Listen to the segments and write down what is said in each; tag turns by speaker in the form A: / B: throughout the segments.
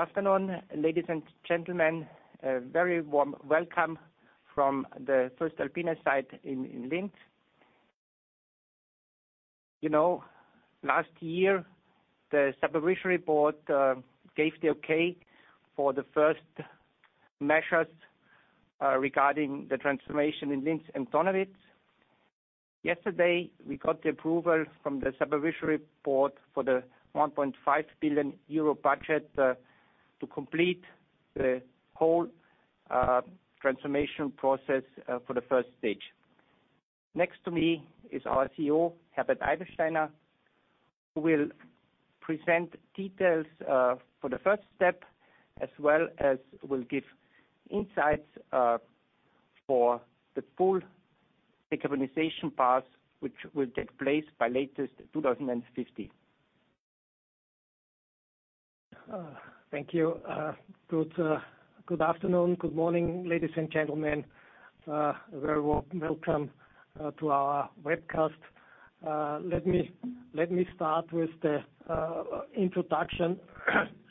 A: Good afternoon, ladies and gentlemen. A very warm welcome from the voestalpine site in Linz. You know, last year, the supervisory board gave the okay for the first measures regarding the transformation in Linz and Donawitz. Yesterday, we got the approval from the supervisory board for the 1.5 billion euro budget to complete the whole transformation process for the first stage. Next to me is our CEO, Herbert Eibensteiner, who will present details for the first step, as well as will give insights for the full decarbonization path, which will take place by latest 2050.
B: Thank you. Good afternoon, good morning, ladies and gentlemen. A very warm welcome to our webcast. Let me start with the introduction.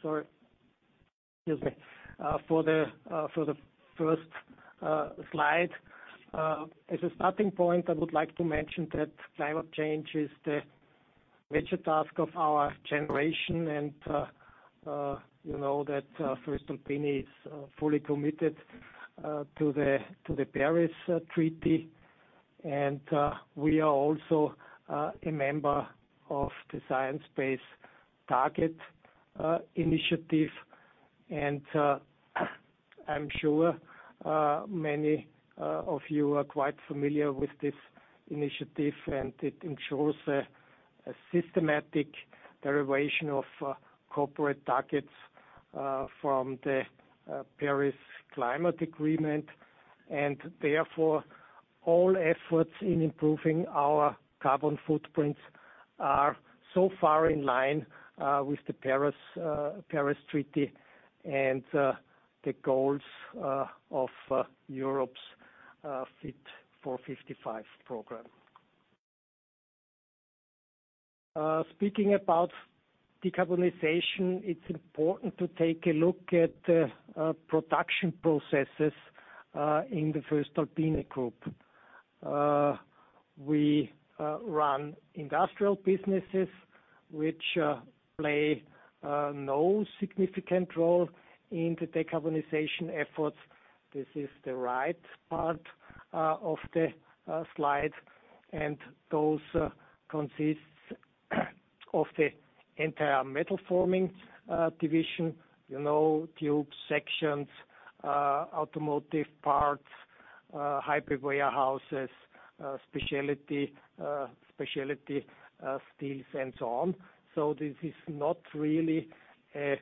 B: Sorry. Excuse me. For the first slide. As a starting point, I would like to mention that climate change is the major task of our generation, and you know that voestalpine is fully committed to the Paris Agreement. We are also a member of the Science Based Targets initiative. I'm sure many of you are quite familiar with this initiative, and it ensures a systematic derivation of corporate targets from the Paris Agreement. Therefore, all efforts in improving our carbon footprints are so far in line with the Paris Treaty and the goals of Europe's Fit for 55 program. Speaking about decarbonization, it's important to take a look at the production processes in the voestalpine group. We run industrial businesses which play no significant role in the decarbonization efforts. This is the right part of the slide, and those consist of the entire Metal Forming Division. You know, tubes, sections, automotive parts, high bay warehouses, specialty steels and so on. This is not really a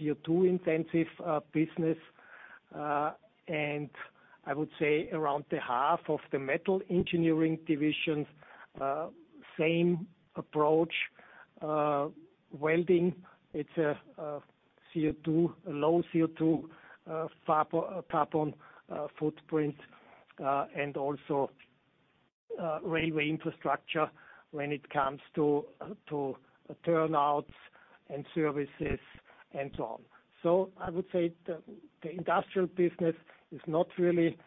B: CO2-intensive business. I would say around the half of the Metal Engineering divisions, same approach. Welding, it's a low CO2, a low carbon footprint, and also railway infrastructure when it comes to turnouts and services and so on. So I would say the industrial business is not really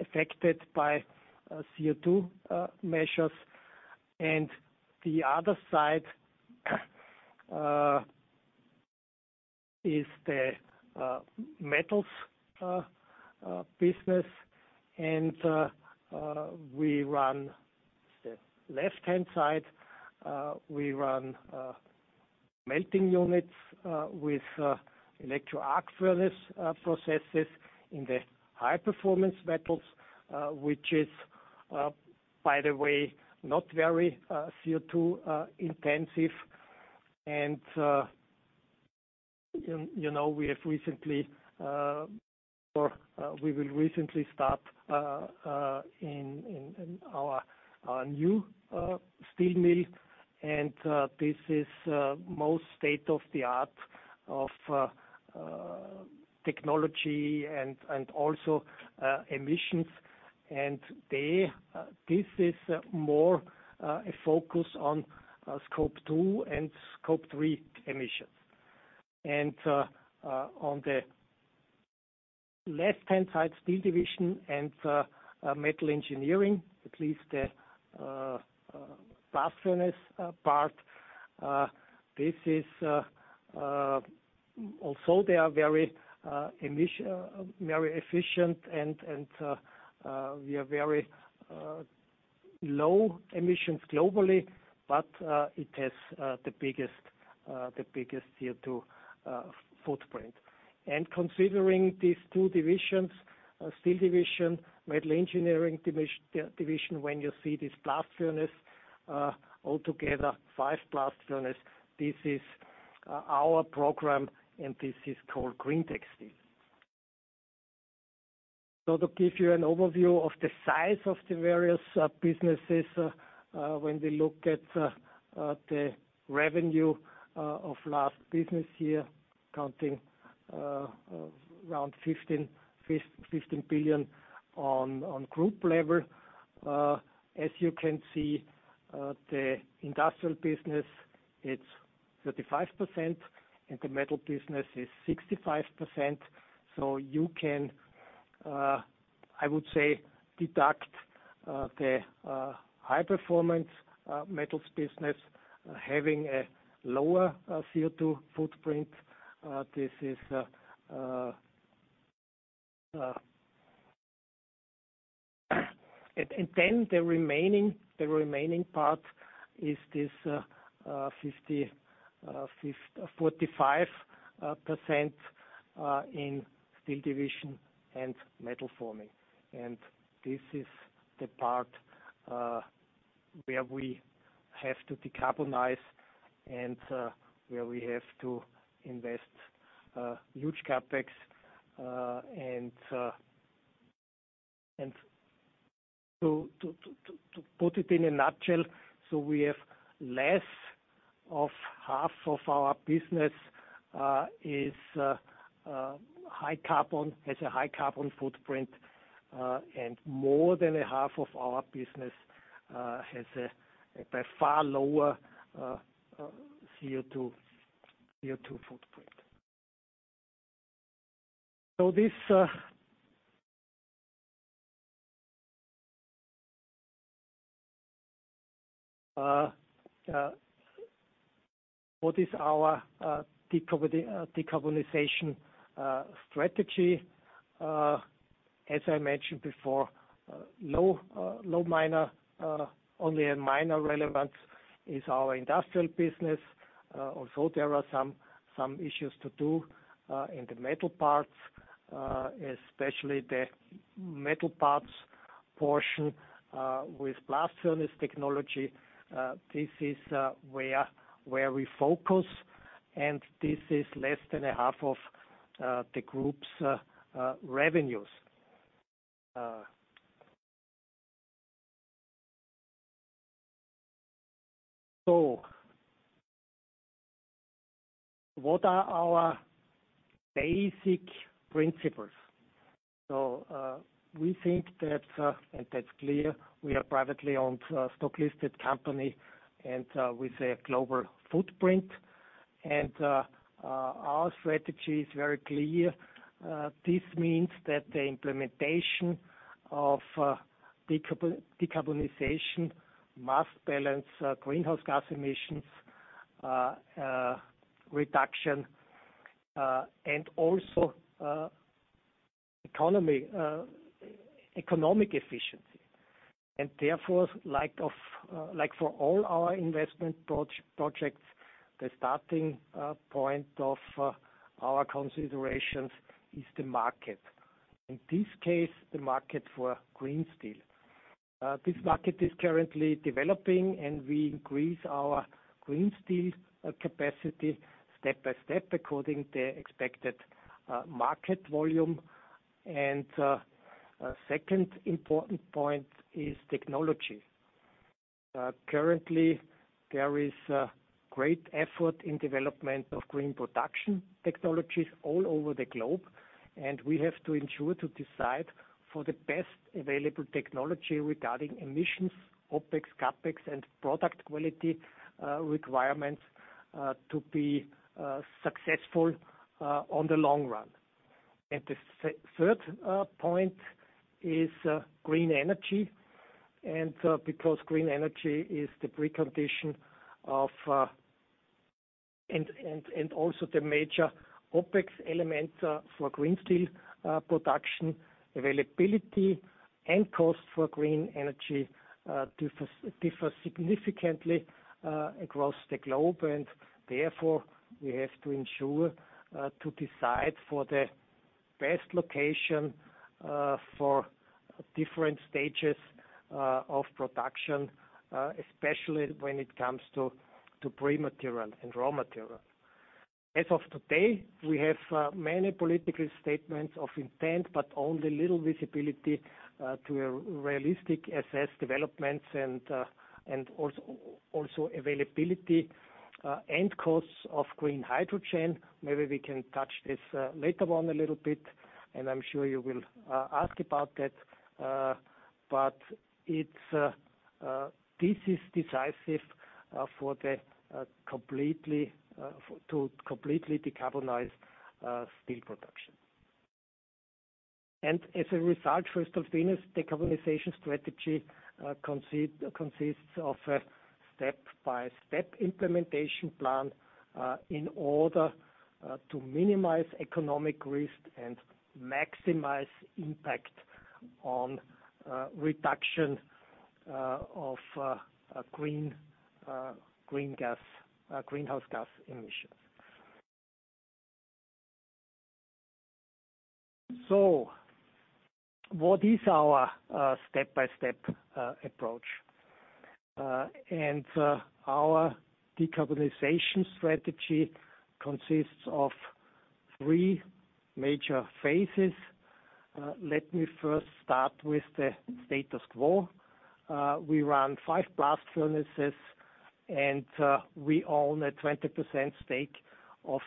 B: affected by CO2 measures. And the other side is the metals business. We run the left-hand side. We run melting units with electric arc furnace processes in the High Performance Metals Division, which is, by the way, not very CO2 intensive. You know, we have recently, or we will recently start in our new steel mill. This is most state-of-the-art of technology and also emissions. They, this is more a focus on Scope 2 and Scope 3 emissions. On the left-hand side, Steel Division and Metal Engineering, at least the blast furnace part, this is also they are very efficient and we have very low emissions globally, but it has the biggest CO2 footprint. Considering these two divisions, Steel Division, Metal Engineering Division, when you see this blast furnace, altogether 5 blast furnace, this is our program, and this is called greentec steel. To give you an overview of the size of the various businesses, when we look at the revenue of last business year, counting around 15 billion on group level. As you can see, the industrial business, it's 35%, and the metal business is 65%. You can, I would say, deduct the High Performance Metals business having a lower CO2 footprint. The remaining part is this 45% in Steel Division and Metal Forming. This is the part where we have to decarbonize and where we have to invest huge CapEx. And so to put it in a nutshell, we have less than half of our business is high carbon— has a high carbon footprint, and more than a half of our business has a by far lower CO2 footprint. So this, what is our decarbonization strategy? As I mentioned before, low, only a minor relevance is our industrial business. Also there are some issues to do in the Metal Forming Division, especially the metal parts portion, with blast furnace technology. This is where we focus, and this is less than a half of the group's revenues. So what are our basic principles? We think that, and that's clear, we are privately owned, stock listed company, and with a global footprint. Our strategy is very clear. This means that the implementation of decarbonization must balance greenhouse gas emissions reduction and also economy economic efficiency. Therefore, for all our investment projects, the starting point of our considerations is the market. In this case, the market for green steel. This market is currently developing, and we increase our green steel capacity step by step according the expected market volume. A second important point is technology. Currently, there is a great effort in development of green production technologies all over the globe, we have to ensure to decide for the best available technology regarding emissions, OpEx, CapEx, and product quality requirements to be successful on the long run. The third point is green energy, because green energy is the precondition of and also the major OpEx element for green steel production availability and cost for green energy differs significantly across the globe. Therefore, we have to ensure to decide for the best location for different stages of production, especially when it comes to pre-material and raw material. As of today, we have many political statements of intent, but only little visibility to a realistic assess developments and also availability and costs of green hydrogen. Maybe we can touch this later on a little bit, and I'm sure you will ask about that. But it's this is decisive for the to completely decarbonize steel production. As a result, voestalpine's decarbonization strategy consists of a step-by-step implementation plan in order to minimize economic risk and maximize impact on reduction of green gas, greenhouse gas emissions. What is our step-by-step approach? Our decarbonization strategy consists of three major phases. Let me first start with the status quo. We run five blast furnaces. We own a 20% stake of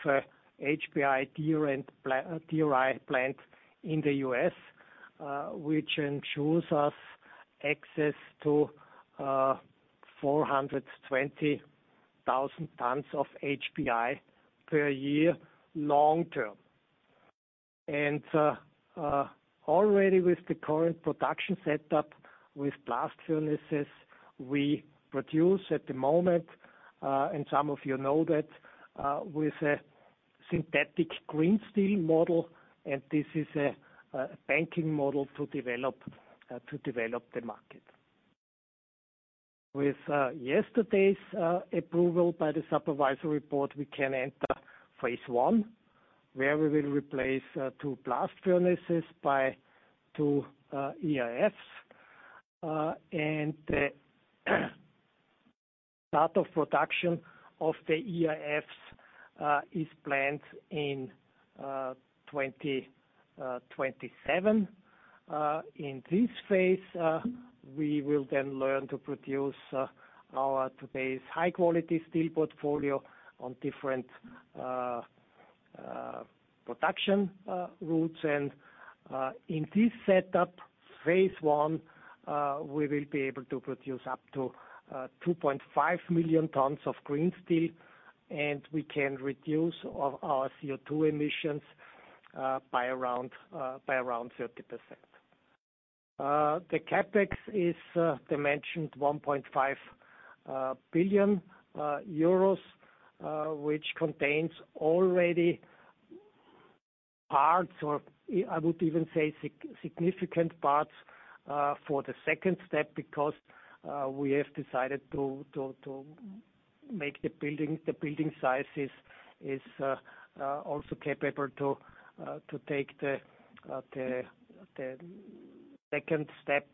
B: HBI DRI plant in the U.S., which ensures us access to 420,000 tons of HBI per year long term. Already with the current production setup with blast furnaces, we produce at the moment, and some of you know that, with a synthetic green steel model, and this is a banking model to develop the market. With yesterday's approval by the supervisory board, we can enter phase 1, where we will replace two blast furnaces by two EAFs. The start of production of the EAFs is planned in 2027. In this phase, we will then learn to produce our today's high-quality steel portfolio on different production routes. In this setup, phase one, we will be able to produce up to 2.5 million tons of green steel, and we can reduce our CO2 emissions by around 30%. The CapEx is, they mentioned 1.5 billion euros, which contains already parts or I would even say significant parts for the second step because we have decided to make the building sizes is also capable to take the second step.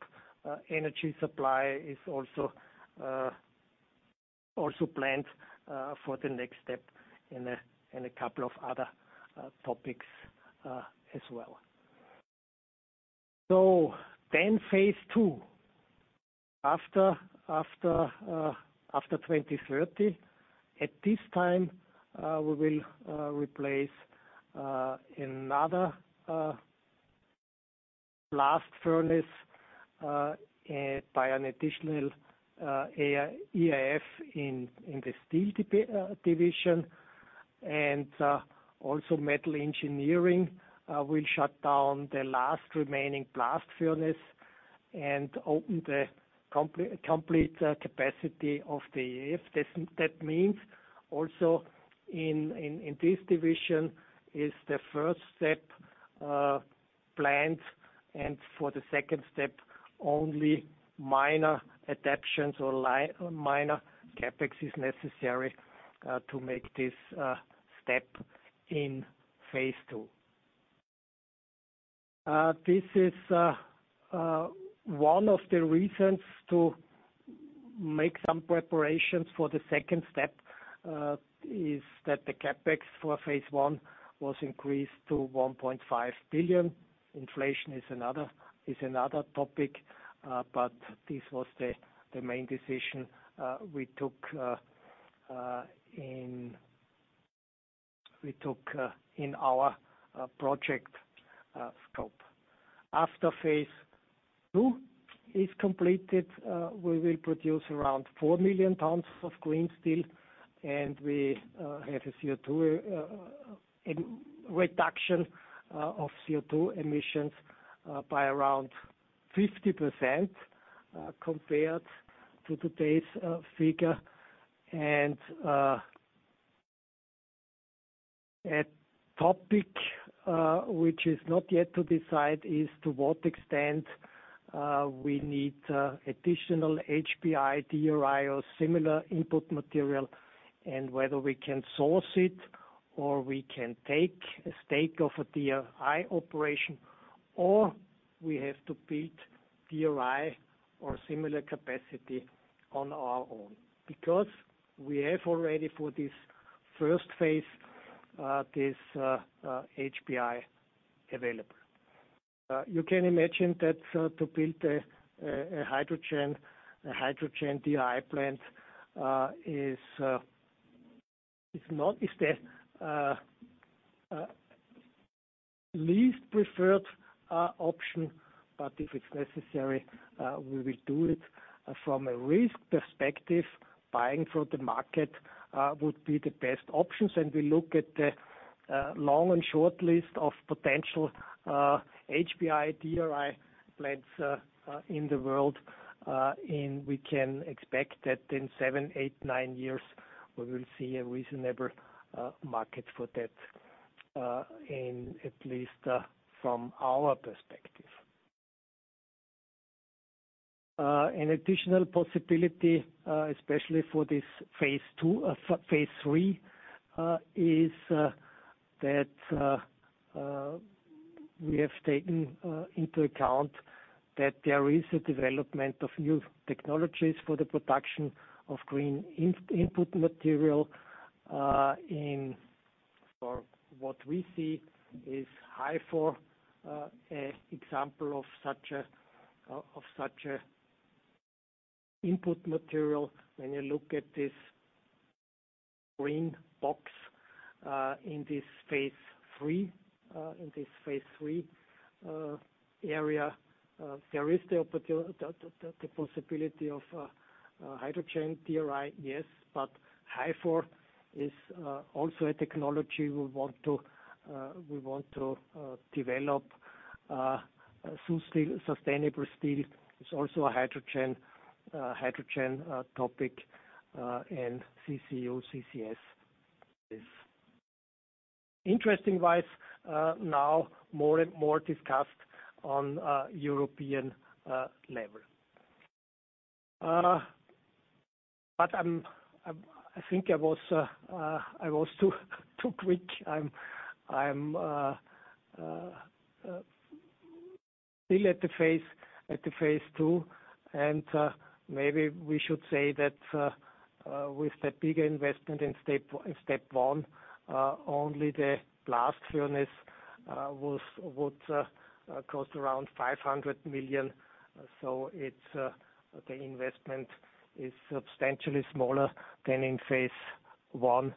B: Energy supply is also planned for the next step in a couple of other topics as well. Phase two, after 2030. At this time, we will replace another blast furnace by an additional EAF in the Steel Division. Also Metal Engineering Division will shut down the last remaining blast furnace and open the complete capacity of the EAF. That means also in this division is the first step planned, and for the second step, only minor adaptions or minor CapEx is necessary to make this step in phase two. This is one of the reasons to make some preparations for the second step, is that the CapEx for phase one was increased to 1.5 billion. Inflation is another topic, but this was the main decision we took in our project scope. After phase 2 is completed, we will produce around 4 million tons of green steel, and we have a CO2 re-reduction of CO2 emissions by around 50% compared to today's figure. A topic which is not yet to decide is to what extent we need additional HBI, DRI or similar input material, and whether we can source it or we can take a stake of a DRI operation, or we have to build DRI or similar capacity on our own. Because we have already for this first phase, this HBI available. You can imagine that to build a hydrogen DRI plant is the least preferred option, but if it's necessary, we will do it. From a risk perspective, buying from the market would be the best options. We look at the long and short list of potential HBI, DRI plants in the world, and we can expect that in seven, eight, nine years, we will see a reasonable market for that in at least from our perspective. An additional possibility, especially for this phase two, phase three, is that we have taken into account that there is a development of new technologies for the production of green input material, inOr what we see is HYFOR, example of such a input material. When you look at this green box, in this phase three, in this phase three, area, there is the possibility of hydrogen DRI, yes. HYFOR is also a technology we want to develop. Sustainable steel is also a hydrogen topic, and CCU, CCS is interesting wise, now more and more discussed on a European level. I think I was too quick. I'm still at the phase two. Maybe we should say that with the bigger investment in step one, only the blast furnace would cost around 500 million. It's the investment is substantially smaller than in phase one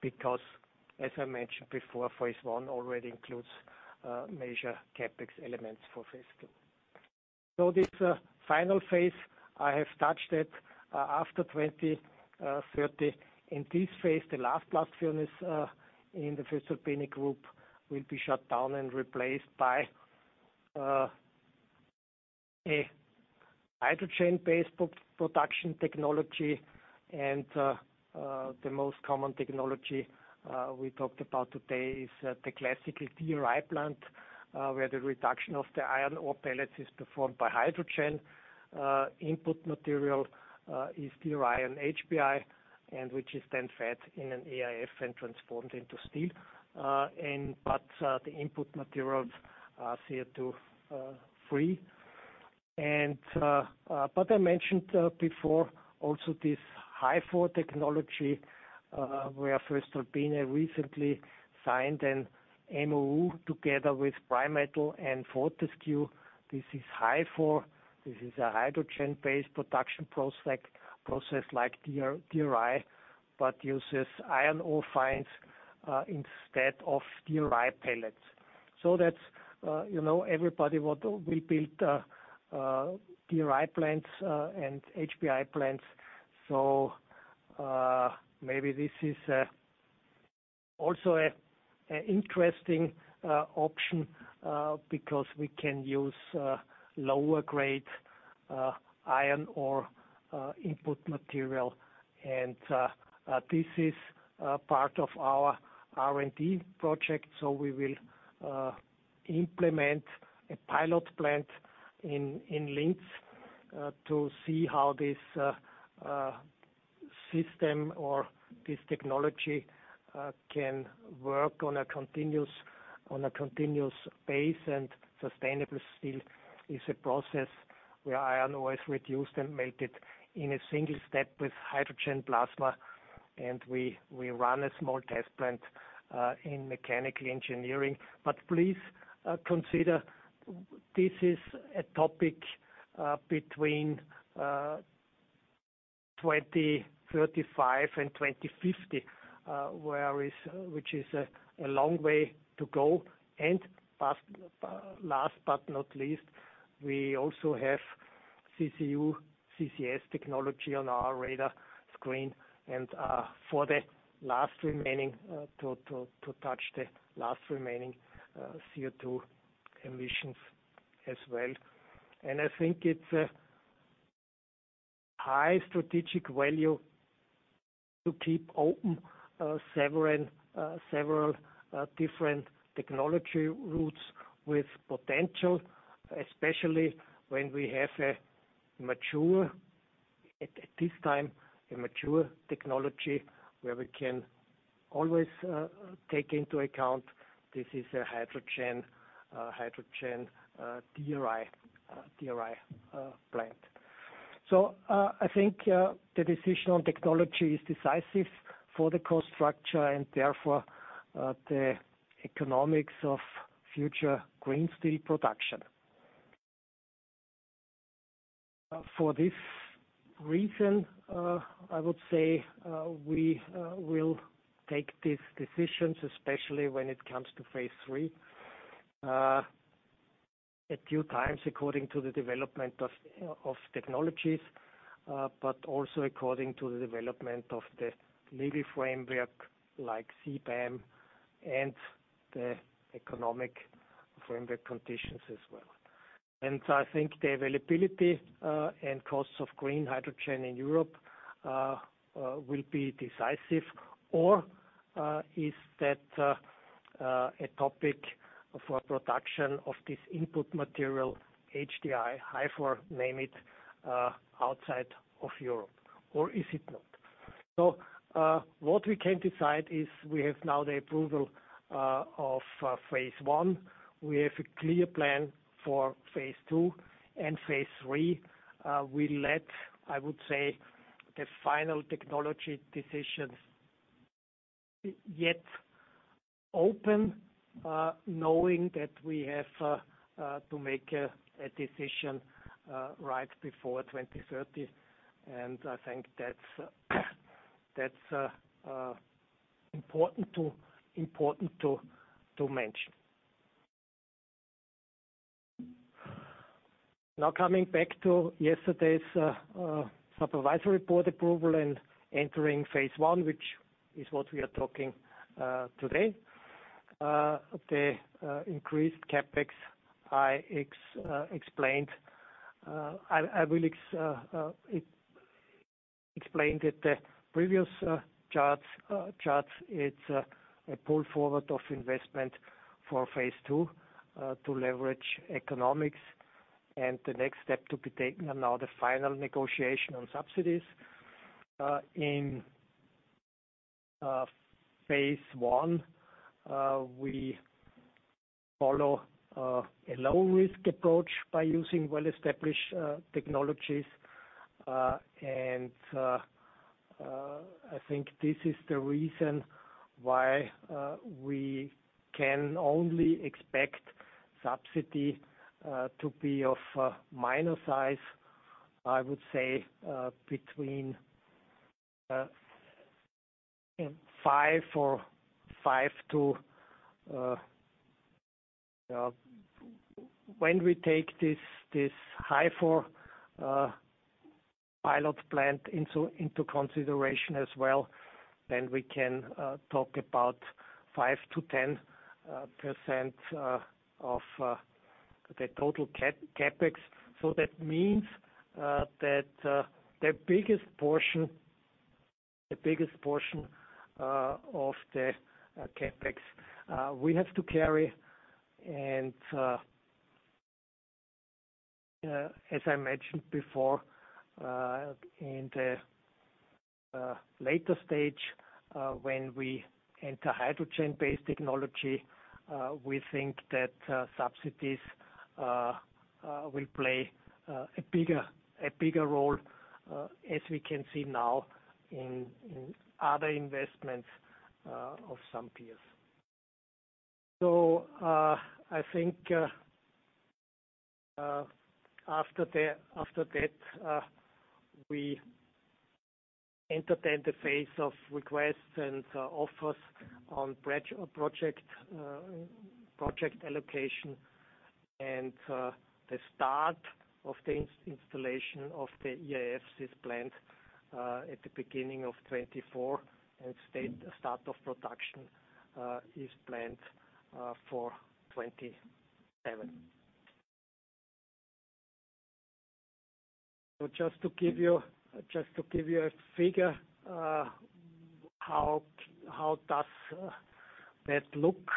B: because as I mentioned before, phase one already includes major CapEx elements for phase two. This final phase I have touched it after 2030. In this phase, the last blast furnace in the voestalpine group will be shut down and replaced by a hydrogen-based production technology. The most common technology we talked about today is the classical DRI plant where the reduction of the iron ore pellets is performed by hydrogen. Input material is steel, iron, HBI, and which is then fed in an EAF and transformed into steel. But the input materials are CO2 free. I mentioned before also this HYFOR technology where voestalpine recently signed an MoU together with Primetals and Fortescue. This is HYFOR. This is a hydrogen-based production process like DR-DRI, but uses iron ore fines instead of DRI pellets. That's, you know, everybody we built DRI plants and HBI plants. Maybe this is also an interesting option because we can use lower grade iron ore input material. This is part of our R&D project, so we will implement a pilot plant in Linz to see how this system or this technology can work on a continuous base. Sustainable steel is a process where iron ore is reduced and made it in a single step with hydrogen plasma. We run a small test plant in mechanical engineering. Please consider this is a topic between 2035 and 2050, which is a long way to go. Last but not least, we also have CCU, CCS technology on our radar screen. For the last remaining to touch the last remaining CO2 emissions as well. I think it's a high strategic value to keep open several different technology routes with potential, especially when we have a mature, at this time, a mature technology where we can always take into account this is a hydrogen DRI plant. I think the decision on technology is decisive for the cost structure and therefore the economics of future green steel production. for this reason, I would say, we will take these decisions, especially when it comes to phase three, a few times according to the development of technologies, but also according to the development of the legal framework like CBAM and the economic framework conditions as well. I think the availability and costs of green hydrogen in Europe will be decisive or is that a topic for production of this input material, HDRI, HYFOR, name it, outside of Europe or is it not? What we can decide is we have now the approval of phase one. We have a clear plan for phase two and phase three. We let, I would say, the final technology decisions yet open, knowing that we have to make a decision right before 2030. I think that's important to mention. Now, coming back to yesterday's supervisory board approval and entering phase one, which is what we are talking today. The increased CapEx, I explained it the previous charts. It's a pull forward of investment for phase two to leverage economics and the next step to be taken. Now the final negotiation on subsidies. In phase one, we follow a low risk approach by using well-established technologies. I think this is the reason why we can only expect subsidy to be of a minor size, I would say. When we take this HYFOR pilot plant into consideration as well, then we can talk about 5-10% of the total CapEx. That means that the biggest portion of the CapEx we have to carry. As I mentioned before, in the later stage, when we enter hydrogen-based technology, we think that subsidies will play a bigger role, as we can see now in other investments of some peers. I think after that, we enter then the phase of requests and offers on project allocation. The start of the installation of the EAFs plant at the beginning of 2024 and state start of production is planned for 2027. Just to give you a figure, how does that look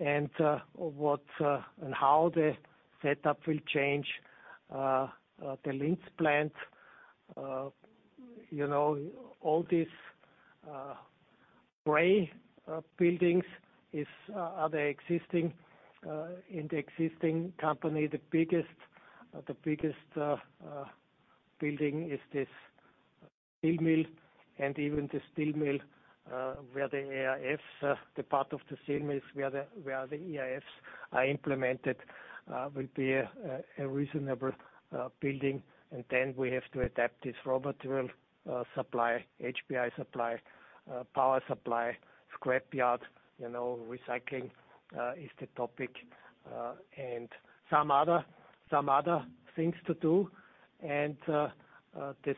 B: and what and how the setup will change the Linz plant. You know, all these gray buildings are the existing in the existing company. The biggest building is this steel mill. Even the steel mill where the EAFs the part of the steel mills where the EAFs are implemented will be a reasonable building. Then we have to adapt this raw material, supply, HBI supply, power supply, scrapyard. You know, recycling is the topic. Some other things to do. The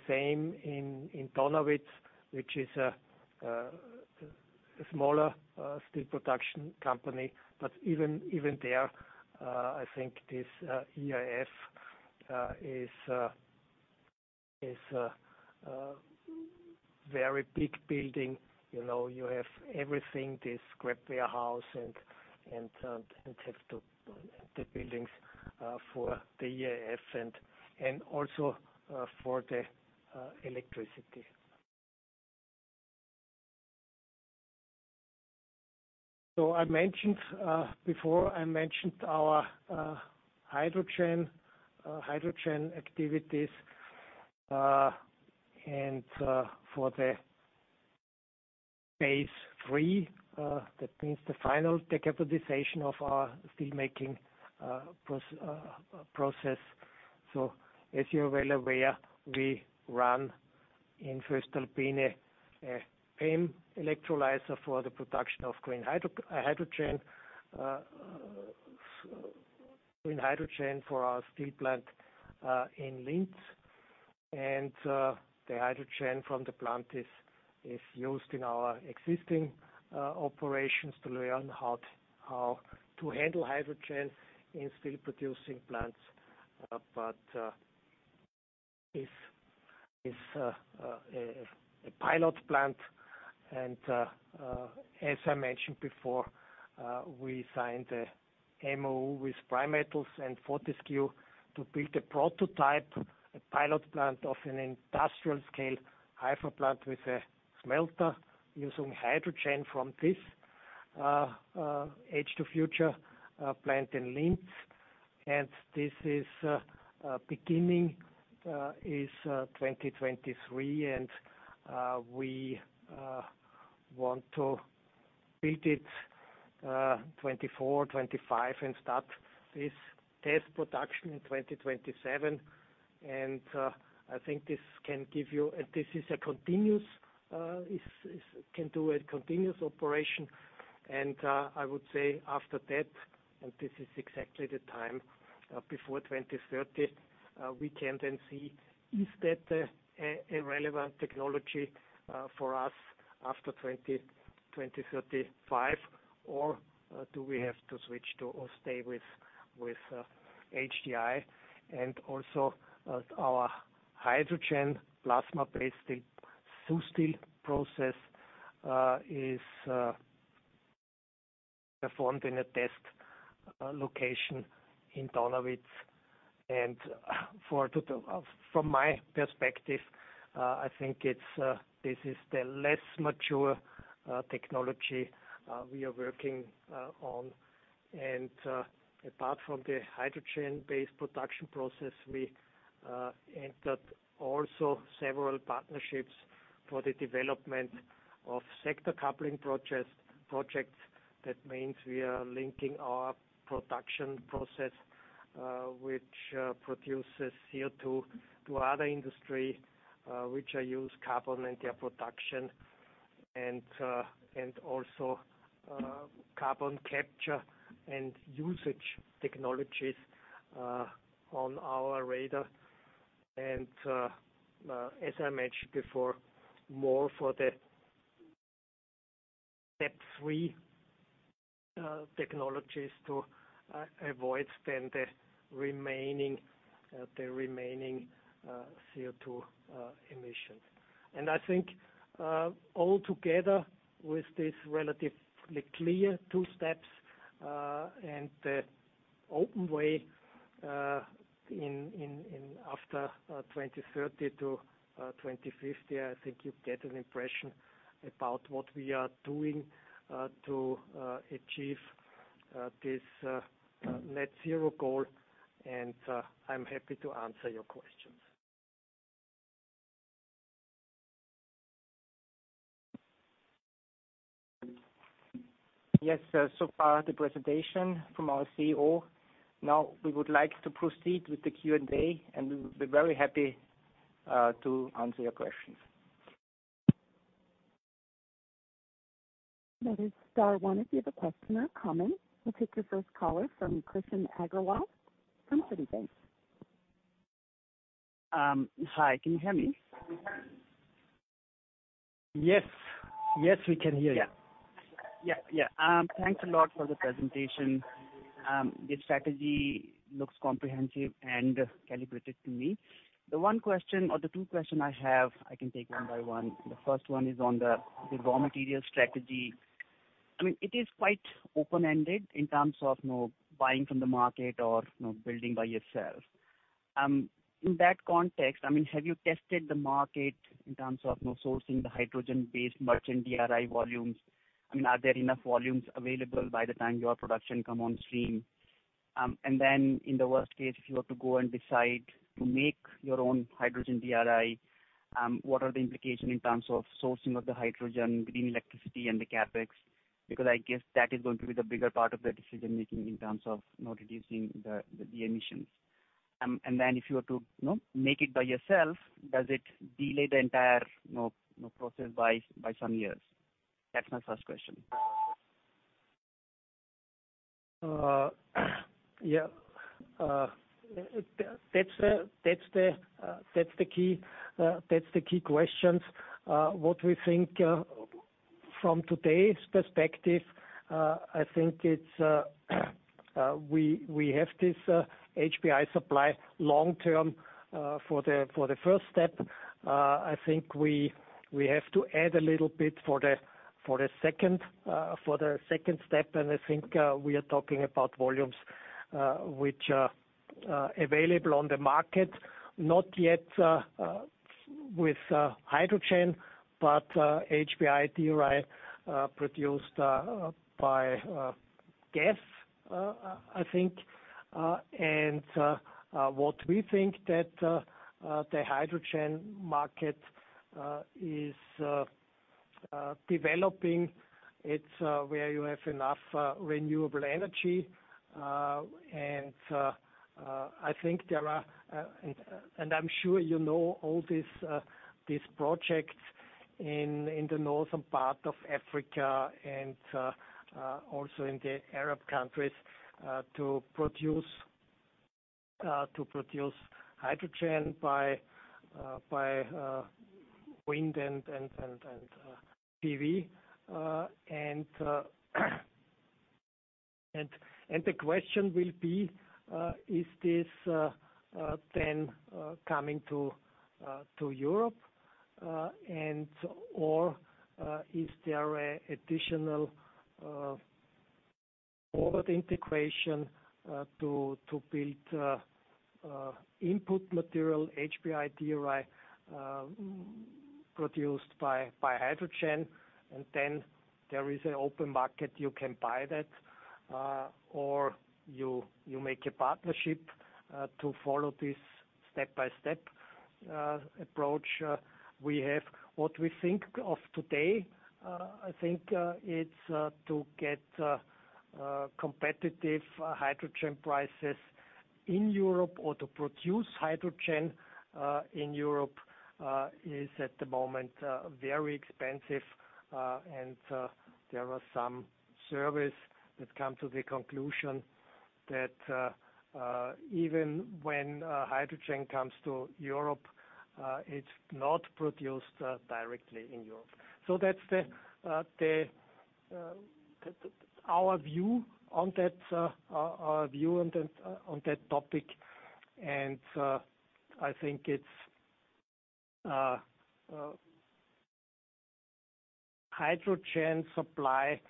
B: same in Donawitz, which is a smaller steel production company. Even there, I think this EAF is a very big building. You know, you have everything, the scrap warehouse and the buildings for the EAF and also for the electricity. I mentioned before our hydrogen activities. For the phase three, that means the final decarbonization of our steel making process. As you're well aware, we run in Voestalpine a PEM electrolyzer for the production of green hydrogen for our steel plant in Linz. The hydrogen from the plant is used in our existing operations to learn how to handle hydrogen in steel producing plants. Is a pilot plant. As I mentioned before, we signed a MoU with Primetals and Fortescue to build a prototype, a pilot plant of an industrial scale HYFOR plant with a smelter using hydrogen from this H2FUTURE plant in Linz. This is beginning is 2023, we want to build it 2024-2025, and start this test production in 2027. Can do a continuous operation. I would say after that, and this is exactly the time before 2030, we can then see is that a relevant technology for us after 2030, 2035, or do we have to switch to or stay with HDRI. Also, our hydrogen plasma-based steel, SuSteel process, is performed in a test location in Donawitz. From my perspective, I think it's this is the less mature technology we are working on. Apart from the hydrogen-based production process, we entered also several partnerships for the development of sector coupling projects. That means we are linking our production process which produces CO2 to other industry which use carbon in their production, and also carbon capture and usage technologies on our radar. As I mentioned before, more for the step three technologies to avoid spend the remaining CO2 emissions. I think all together with this relatively clear two steps and the open way in after 2030 to 2050, I think you get an impression about what we are doing to achieve this net zero goal. I'm happy to answer your questions. Yes, so far the presentation from our CEO. Now, we would like to proceed with the Q&A, and we'll be very happy to answer your questions.
C: That is star one if you have a question or comment. We'll take the first caller from Krishan Agarwal from Citi.
D: Hi, can you hear me?
B: Yes. Yes, we can hear you.
D: Yeah. Yeah, yeah. Thanks a lot for the presentation. The strategy looks comprehensive and calibrated to me. The one question or the two question I have, I can take one by one. The first one is on the raw material strategy. I mean, it is quite open-ended in terms of, you know, buying from the market or, you know, building by yourself. In that context, I mean, have you tested the market in terms of, you know, sourcing the hydrogen-based merchant DRI volumes? I mean, are there enough volumes available by the time your production come on stream? In the worst case, if you were to go and decide to make your own hydrogen DRI, what are the implications in terms of sourcing of the hydrogen, green electricity and the CapEx? Because I guess that is going to be the bigger part of the decision making in terms of, you know, reducing the emissions. If you were to, you know, make it by yourself, does it delay the entire, you know, process by some years? That's my first question.
B: Yeah. That's the key questions. What we think, from today's perspective, I think it's, we have this HBI supply long-term for the first step. I think we have to add a little bit for the second step, and I think we are talking about volumes which are available on the market, not yet with hydrogen, but HBI DRI produced by gas, I think. What we think that the hydrogen market is developing, it's where you have enough renewable energy. And I think there are, and I'm sure you know all these projects in the northern part of Africa and also in the Arab countries, to produce hydrogen by wind and PV. And the question will be, is this then coming to Europe? Or is there additional forward integration to build input material, HBI, DRI, produced by hydrogen, and then there is an open market, you can buy that, or you make a partnership to follow this step-by-step approach we have. What we think of today, I think it's to get competitive hydrogen prices in Europe or to produce hydrogen in Europe is at the moment very expensive. There are some surveys that come to the conclusion that even when hydrogen comes to Europe, it's not produced directly in Europe. That's the our view on that topic. I think it's hydrogen supply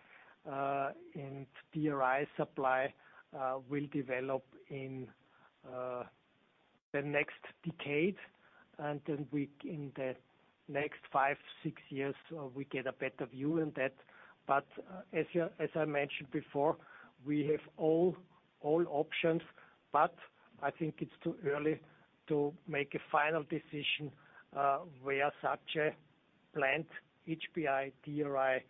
B: and DRI supply will develop in the next decade, and then in the next five, six years, we get a better view on that. As I mentioned before, we have all options, but I think it's too early to make a final decision, where such a plant, HBI, DRI,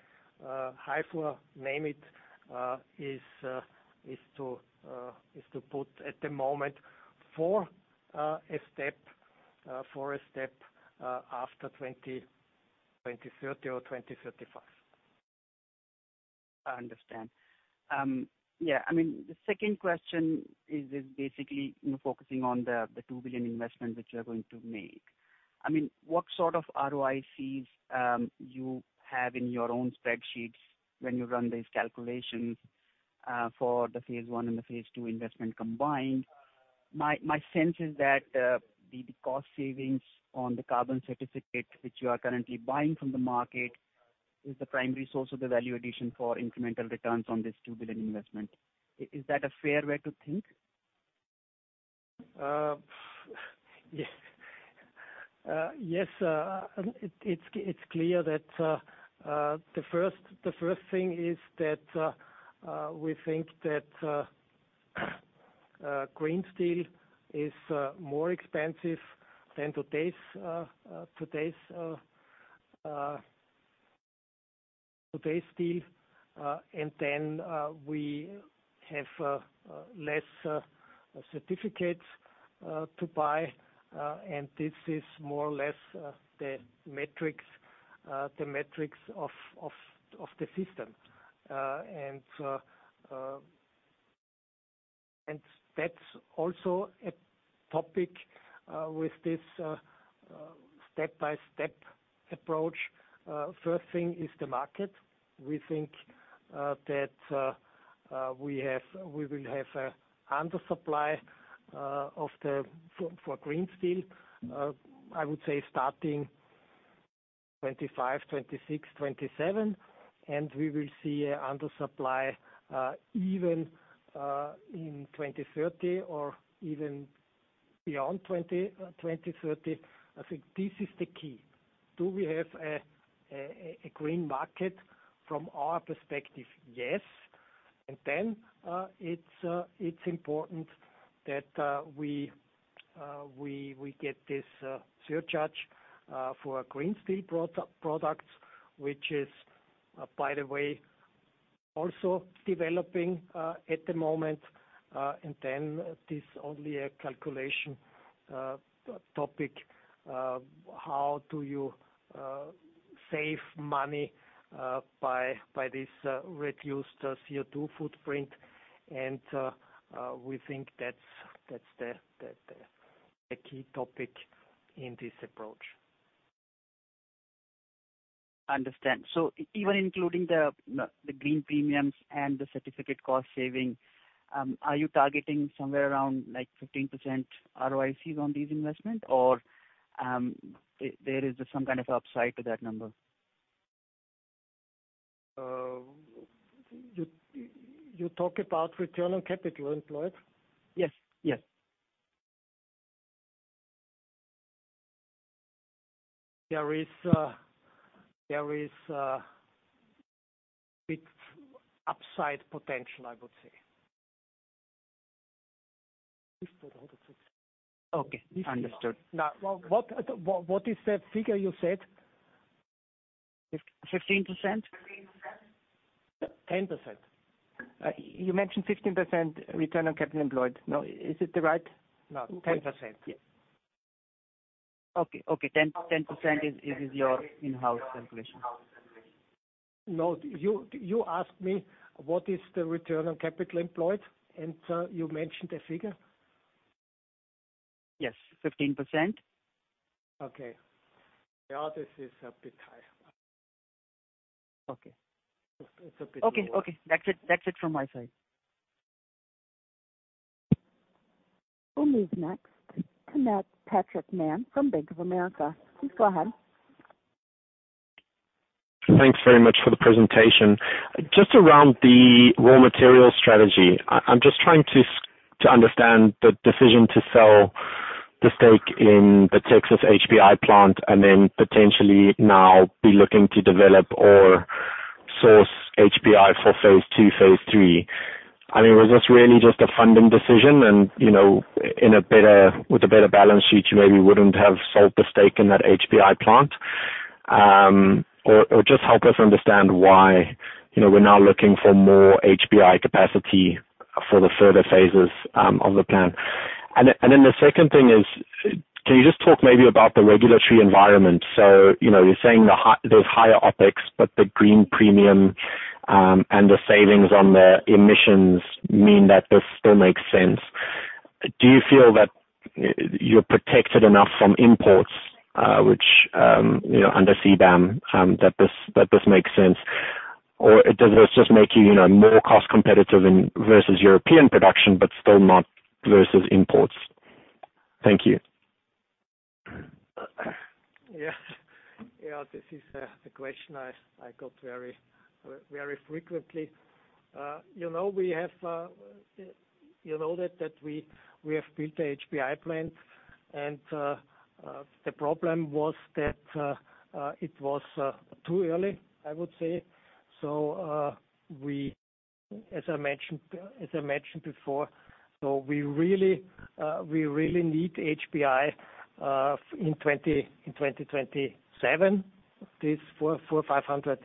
B: HYFOR, name it, is to put at the moment for a step after 2030 or 2055.
D: I understand. Yeah. I mean, the second question is basically, you know, focusing on the 2 billion investment which you're going to make. I mean, what sort of ROICs you have in your own spreadsheets when you run these calculations for the phase one and the phase two investment combined? My sense is that the cost savings on the carbon certificate, which you are currently buying from the market, is the primary source of the value addition for incremental returns on this 2 billion investment. Is that a fair way to think?
B: Yes. Yes, it's clear that the first thing is that we think that green steel is more expensive than today's steel. We have less certificates to buy, and this is more or less the metrics of the system. That's also a topic with this step-by-step approach. First thing is the market. We think that we will have an undersupply for green steel. I would say starting 2025, 2026, 2027, and we will see an undersupply even in 2030 or even beyond 2030. I think this is the key. Do we have a green market? From our perspective, yes. It's important that we get this surcharge for green steel products, which is, by the way, also developing at the moment. This only a calculation topic, how do you save money by this reduced CO2 footprint. We think that's the key topic in this approach.
D: Understand. Even including the green premiums and the certificate cost saving, are you targeting somewhere around like 15% ROICs on these investment or, there is some kind of upside to that number?
B: You talk about return on capital employed?
D: Yes. Yes.
B: There is, bit upside potential, I would say.
D: Okay. Understood.
B: What is that figure you said?
D: 15%.
B: 10%.
D: You mentioned 15% return on capital employed. No. Is it the right?
B: No. 10%.
D: Okay. Okay. 10% is your in-house calculation.
B: No. You asked me what is the return on capital employed, and you mentioned a figure.
D: Yes. 15%.
B: Okay. Yeah, this is a bit high.
D: Okay.
B: It's a bit low.
D: Okay. Okay. That's it from my side.
C: We'll move next to Patrick Mann from Bank of America. Please go ahead.
E: Thanks very much for the presentation. Just around the raw material strategy, I'm just trying to understand the decision to sell the stake in the Texas HBI plant and then potentially now be looking to develop or source HBI for phase two, phase three. I mean, was this really just a funding decision? You know, with a better balance sheet, you maybe wouldn't have sold the stake in that HBI plant. Or just help us understand why, you know, we're now looking for more HBI capacity for the further phases of the plan. The second thing is, can you just talk maybe about the regulatory environment? You know, you're saying there's higher OpEx, but the green premium and the savings on the emissions mean that this still makes sense. Do you feel that you're protected enough from imports, which, you know, under CBAM, that this, that this makes sense? Or does this just make you know, more cost competitive versus European production, but still not versus imports? Thank you.
B: Yeah. Yeah, this is a question I got very, very frequently. You know, we have, you know that we have built the HBI plant. The problem was that it was too early, I would say. As I mentioned, as I mentioned before. We really need HBI in 2027, this 400,000-500,000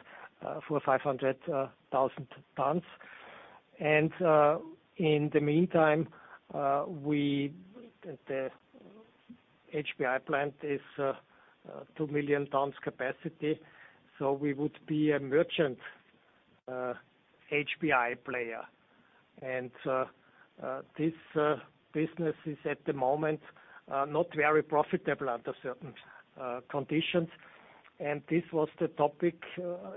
B: tons. In the meantime, the HBI plant is 2 million tons capacity, so we would be a merchant HBI player. This business is at the moment not very profitable under certain conditions. This was the topic,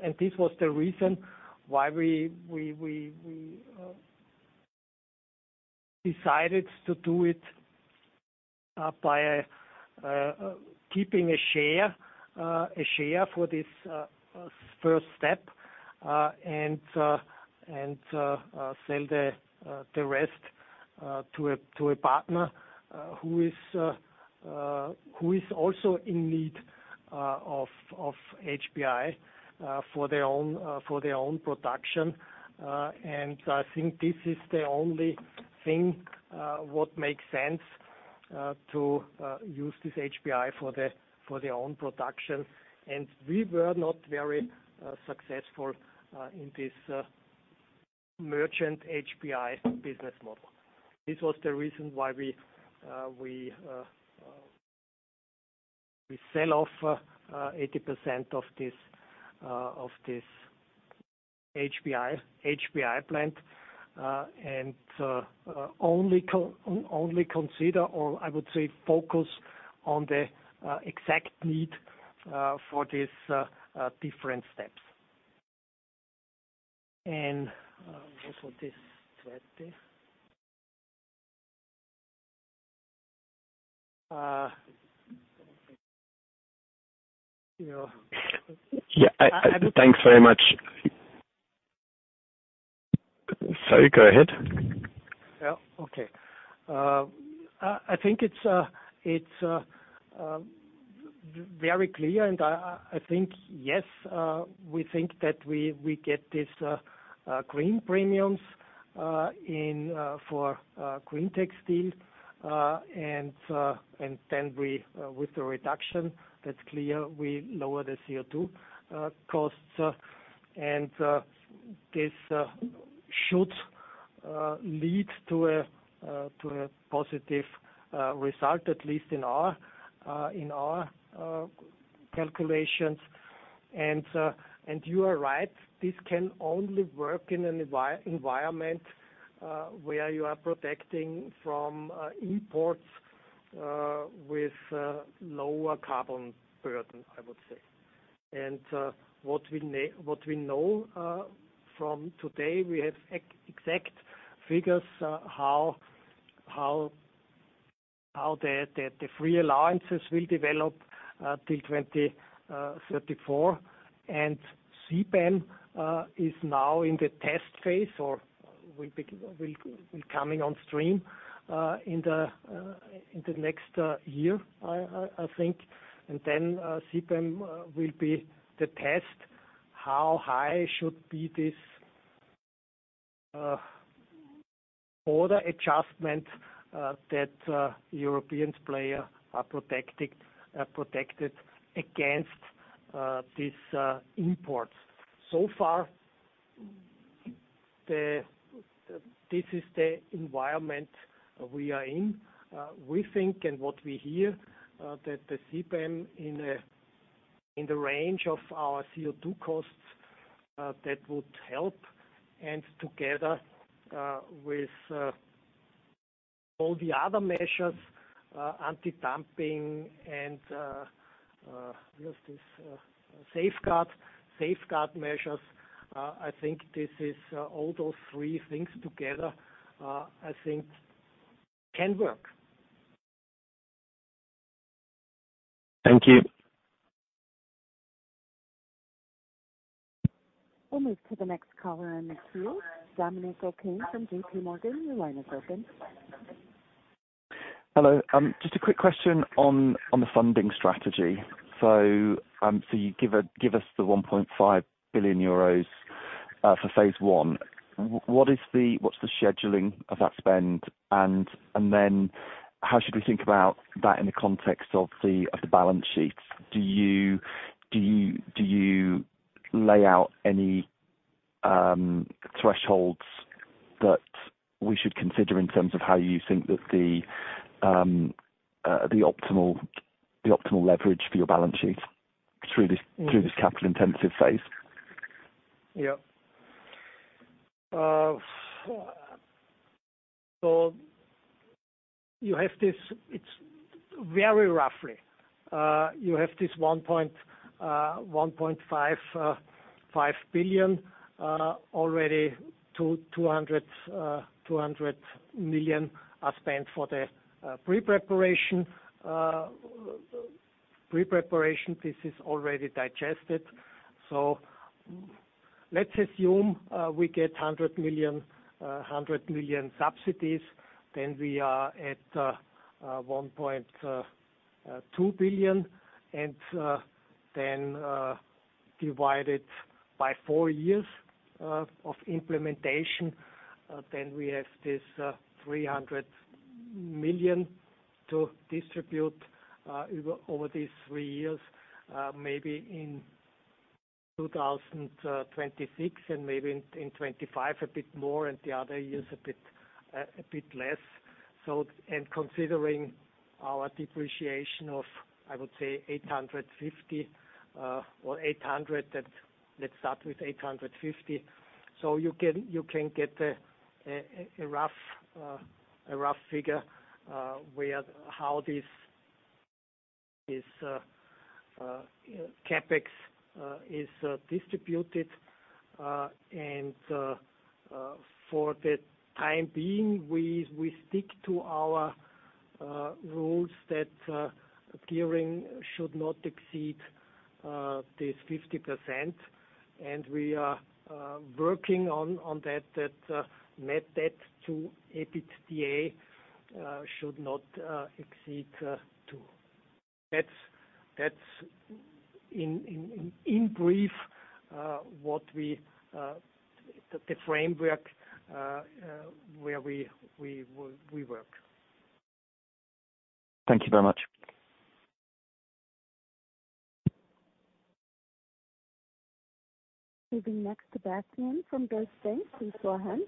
B: and this was the reason why we decided to do it by keeping a share for this first step and sell the rest to a partner who is also in need of HBI for their own production. I think this is the only thing what makes sense to use this HBI for their own production. We were not very successful in this merchant HBI business model. This was the reason why we sell off 80% of this HBI plant, and only consider, or I would say, focus on the exact need for these different steps. Also, this strategy. you know
E: Thanks very much. Sorry, go ahead.
B: Yeah. Okay. I think it's very clear, and I think, yes, we think that we get this green premiums for greentec steel. With the reduction, that's clear, we lower the CO2 costs. This should lead to a positive result, at least in our calculations. You are right, this can only work in an environment where you are protecting from imports with lower carbon burden, I would say. What we know from today, we have exact figures how the free allowances will develop till 2034. CBAM is now in the test phase or will be coming on stream in the next year, I think. CBAM will be the test, how high should be this border adjustment, that European players are protected against these imports. This is the environment we are in. We think and what we hear that the CBAM in the range of our CO2 costs would help. Together with all the other measures, anti-dumping and, what's this? Safeguard measures. I think this is all those three things together, I think can work.
C: Thank you. We'll move to the next caller in the queue. Dominic O'Kane from JPMorgan, your line is open.
F: Hello. Just a quick question on the funding strategy. You give us the 1.5 billion euros for phase one. What's the scheduling of that spend? Then how should we think about that in the context of the, of the balance sheets? Do you lay out any thresholds that we should consider in terms of how you think that the optimal leverage for your balance sheet through this, through this capital-intensive phase?
B: Yeah. You have this. It's very roughly. You have this 1.5 billion already 200 million are spent for the pre-preparation. Pre-preparation piece is already digested. Let's assume we get 100 million subsidies, then we are at 1.2 billion and then divided by four years of implementation, then we have this 300 million to distribute over these three years, maybe in 2026 and maybe in 2025 a bit more and the other years a bit less. Considering our depreciation of, I would say, 850 or 800. Let's start with 850. You can get a rough figure where how this CapEx is distributed. For the time being, we stick to our rules that gearing should not exceed this 50%. We are working on that net debt to EBITDA should not exceed two. That's in brief what we the framework where we work.
F: Thank you very much.
C: Moving next to Bastian Synagowitz from Deutsche Bank. Please go ahead.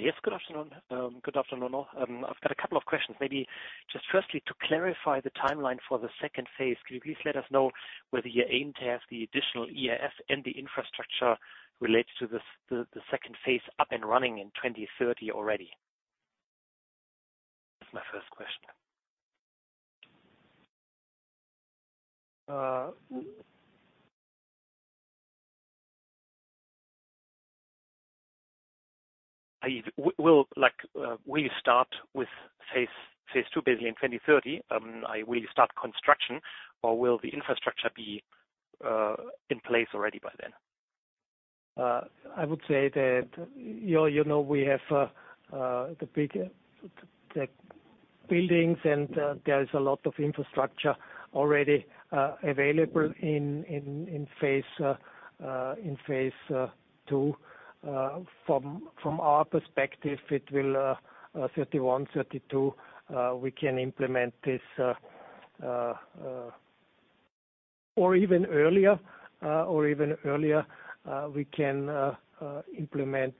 G: Yes. Good afternoon. Good afternoon all. I've got a couple of questions. Maybe just firstly, to clarify the timeline for the second phase, could you please let us know whether you aim to have the additional EAF and the infrastructure related to this, the second phase up and running in 2030 already? That's my first question. Are you will like, will you start with phase 2 basically in 2030? Will you start construction or will the infrastructure be in place already by then?
B: I would say that, you know, we have the big buildings and there is a lot of infrastructure already available in phase 2. From our perspective, it will 2031-2032, we can implement this or even earlier, we can implement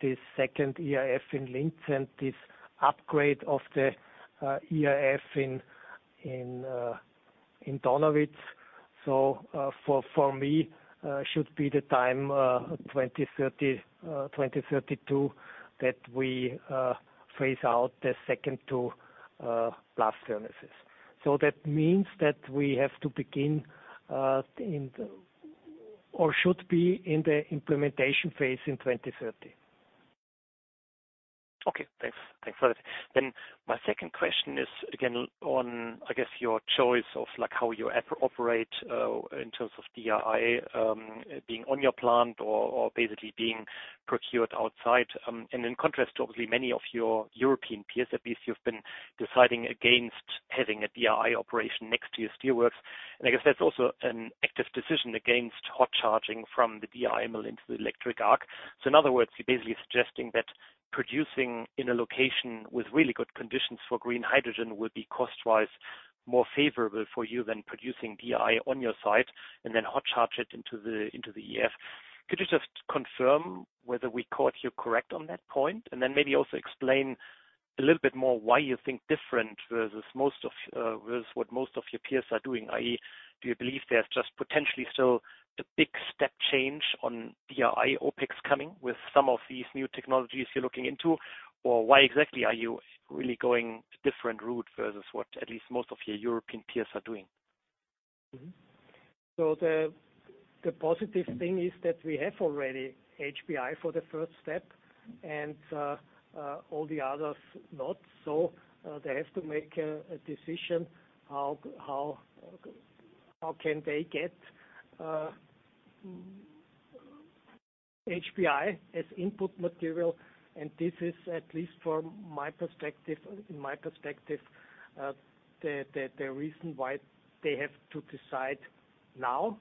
B: this second EAF in Linz and this upgrade of the EAF in Donawitz. For me, should be the time 2030-2032 that we phase out the second two blast furnaces. That means that we have to begin in the. Or should be in the implementation phase in 2030.
G: Okay, thanks. Thanks for that. My second question is again on, I guess, your choice of like how you operate, in terms of DRI, being on your plant or basically being procured outside. In contrast to obviously many of your European peers at least, you've been deciding against having a DRI operation next to your steelworks. I guess that's also an active decision against hot charging from the DRI mill into the electric arc. In other words, you're basically suggesting that producing in a location with really good conditions for green hydrogen would be cost-wise more favorable for you than producing DRI on your site and then hot charge it into the EAF. Could you just confirm whether we caught you correct on that point? Maybe also explain a little bit more why you think different versus most of versus what most of your peers are doing? I.e., do you believe there's just potentially still a big step change on DRI OpEx coming with some of these new technologies you're looking into? Or why exactly are you really going a different route versus what at least most of your European peers are doing?
B: The positive thing is that we have already HBI for the first step and all the others not. They have to make a decision how can they get HBI as input material. This is at least from my perspective, in my perspective, the reason why they have to decide now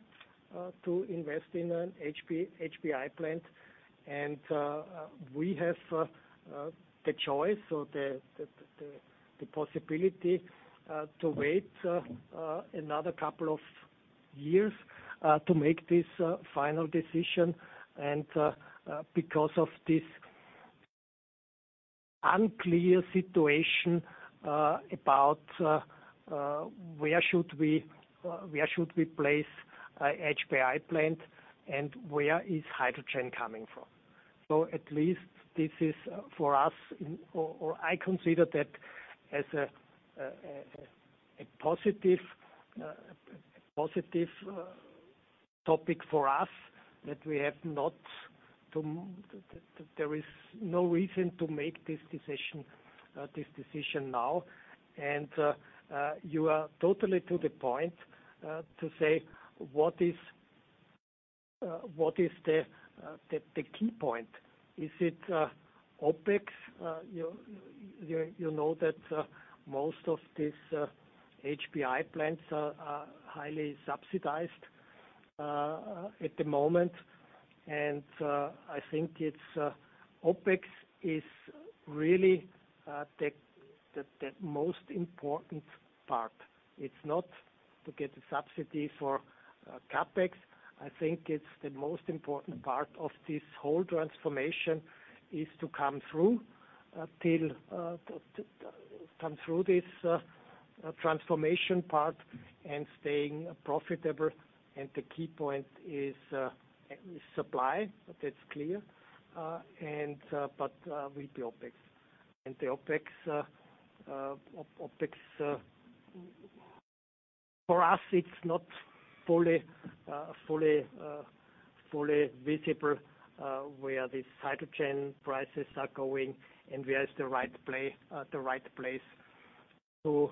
B: to invest in an HBI plant. We have the choice or the possibility to wait another couple of years to make this final decision. Because of this unclear situation about where should we, where should we place a HBI plant and where is hydrogen coming from. At least this is for us, or I consider that as a positive topic for us that we have no reason to make this decision now. You are totally to the point to say what is the key point. Is it OpEx? You know that most of these HBI plants are highly subsidized at the moment. I think it's OpEx is really the most important part. It's not to get the subsidy for CapEx. I think it's the most important part of this whole transformation is to come through till to come through this transformation part and staying profitable. The key point is supply. That's clear with the OpEx. The OpEx for us, it's not fully visible, where these hydrogen prices are going and where is the right place to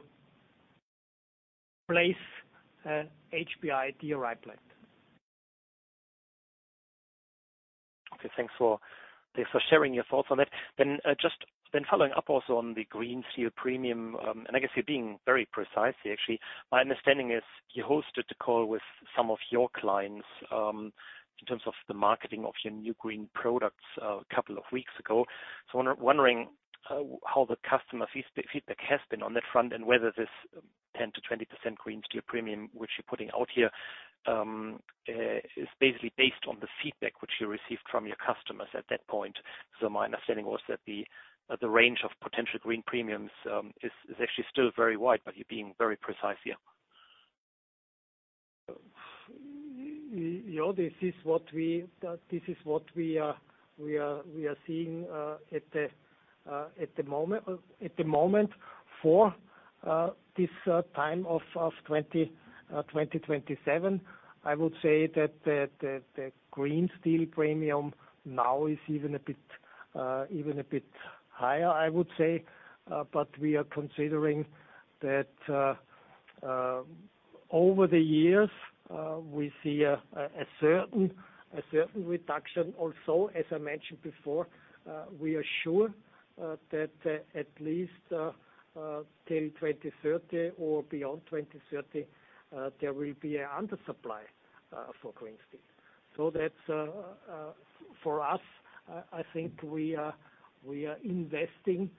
B: place an HBI DRI plant.
G: Okay. Thanks for sharing your thoughts on it. Just following up also on the green steel premium, and I guess you're being very precise here actually. My understanding is you hosted a call with some of your clients in terms of the marketing of your new green products a couple of weeks ago. I'm wondering how the customer feedback has been on that front, and whether this 10%-20% green steel premium which you're putting out here is basically based on the feedback which you received from your customers at that point. My understanding was that the range of potential green premiums is actually still very wide, but you're being very precise here.
B: You know, this is what we are seeing at the moment for this time of 2027. I would say that the green steel premium now is even a bit higher, I would say. We are considering that over the years, we see a certain reduction also. As I mentioned before, we are sure that at least till 2030 or beyond 2030, there will be an undersupply for green steel. That's for us, I think we are investing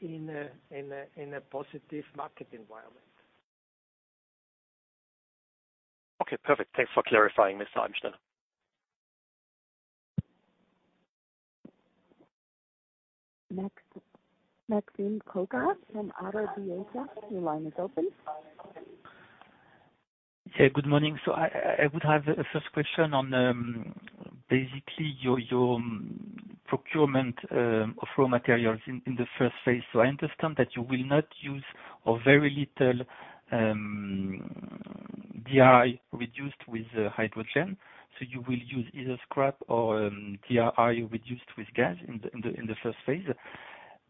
B: in a positive market environment.
G: Okay, perfect. Thanks for clarifying, Mr. Eibensteiner.
C: Next, Maxime Kogge from ODDO BHF. Your line is open.
H: Yeah, good morning. I would have a first question on basically your procurement of raw materials in the first phase. I understand that you will not use or very little DRI reduced with hydrogen. You will use either scrap or DRI reduced with gas in the, in the, in the first phase.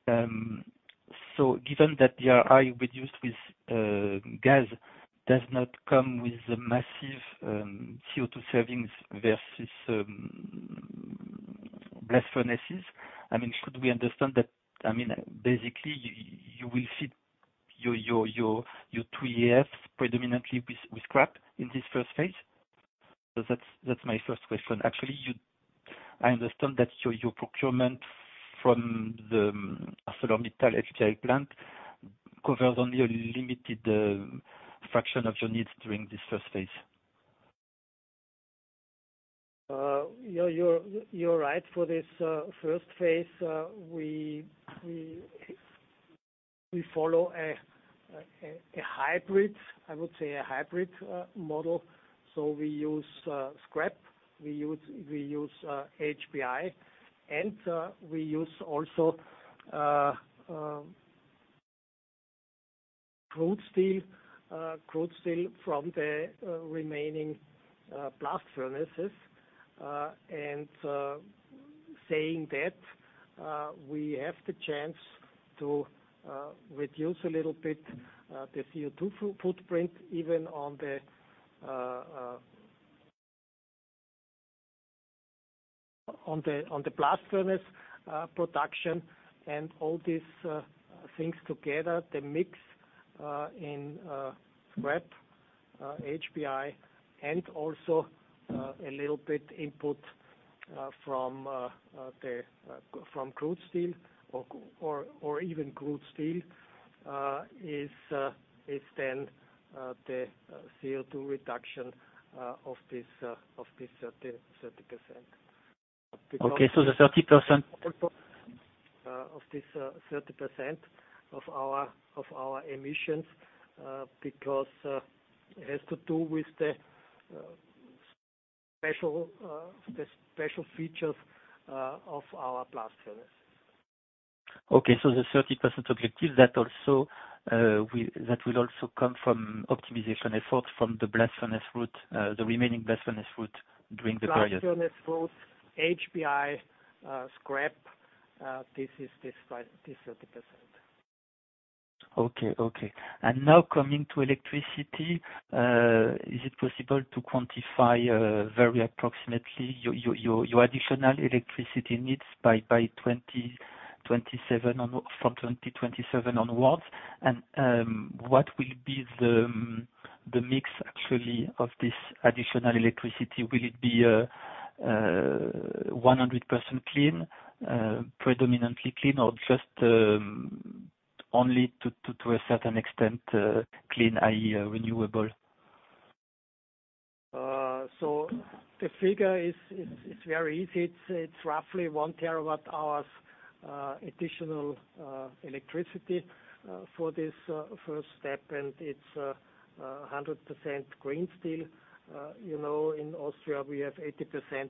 H: Given that DRI reduced with gas does not come with massive CO2 savings versus blast furnaces, I mean, should we understand that I mean, basically, you will feed your two EAFs predominantly with scrap in this first phase? That's, that's my first question. Actually, I understand that your procurement from the ArcelorMittal Texas HBI plant covers only a limited fraction of your needs during this first phase.
B: You're right. For this first phase, we follow a hybrid, I would say a hybrid model. We use scrap, we use HBI, and we use also crude steel from the remaining blast furnaces. Saying that, we have the chance to reduce a little bit the CO2 footprint even on the blast furnace production and all these things together, the mix in scrap HBI and also a little bit input from crude steel or even crude steel is then the CO2 reduction of this 30%.
H: Okay. The 30%.
B: Of this 30% of our emissions, because it has to do with the special features of our blast furnace.
H: Okay. The 30% objective that also, that will also come from optimization efforts from the blast furnace route, the remaining blast furnace route during the period.
B: Blast furnace route, HBI, scrap, this is 30%.
H: Okay. Okay. Now coming to electricity, is it possible to quantify very approximately your additional electricity needs by 2027 from 2027 onwards? What will be the mix actually of this additional electricity? Will it be 100% clean, predominantly clean, or just only to a certain extent clean, i.e., renewable?
B: The figure is very easy. It's roughly 1 terawatt hours additional electricity for this first step, and it's 100% green steel. You know, in Austria, we have 80%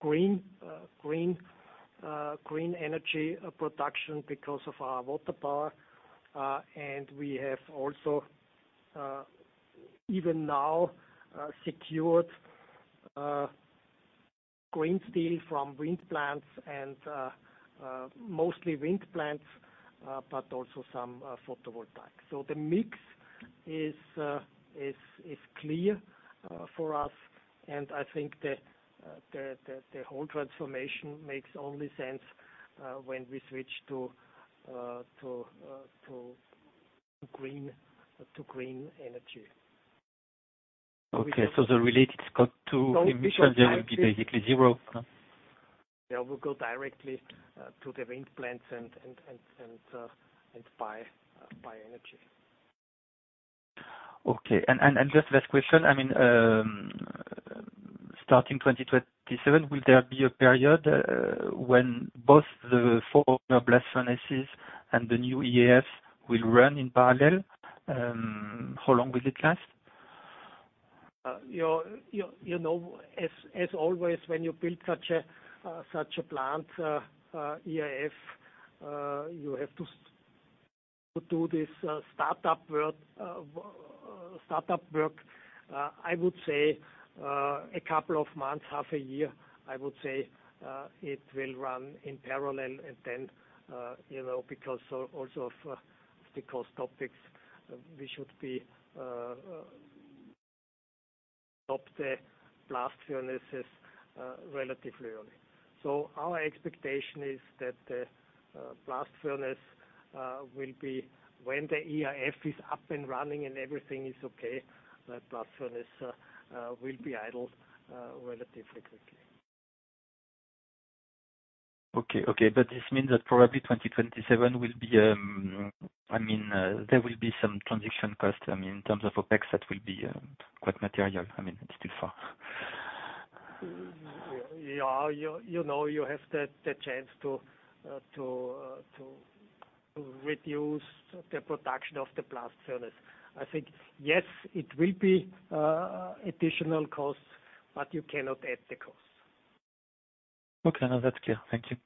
B: green energy production because of our water power. We have also even now secured green steel from wind plants and mostly wind plants, but also some photovoltaic. The mix is clear for us, and I think the whole transformation makes only sense when we switch to green energy.
H: Okay. The related CO2 emissions there will be basically zero.
B: They will go directly to the wind plants and buy energy.
H: Okay. Just last question, I mean, starting 2027, will there be a period, when both the former blast furnaces and the new EAF will run in parallel? How long will it last?
B: You know, as always, when you build such a plant, EAF, you have to do this startup work. I would say, a couple of months, half a year, I would say, it will run in parallel. Then, you know, because of also of the cost topics, we should stop the blast furnaces relatively early. Our expectation is that the blast furnace will be when the EAF is up and running and everything is okay, the blast furnace will be idled relatively quickly.
H: Okay. Okay. This means that probably 2027 will be, I mean, there will be some transition cost, I mean, in terms of OpEx that will be quite material. I mean, it's too far.
B: Yeah. You know, you have the chance to reduce the production of the blast furnace. I think, yes, it will be additional costs, but you cannot add the costs.
H: Okay. No, that's clear. Thank you.